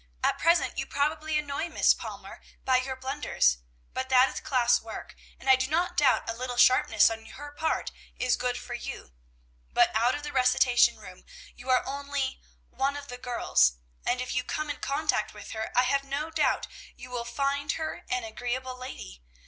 At present, you probably annoy Miss Palmer by your blunders; but that is class work, and I do not doubt a little sharpness on her part is good for you; but, out of the recitation room, you are only 'one of the girls,' and if you come in contact with her, I have no doubt you will find her an agreeable lady.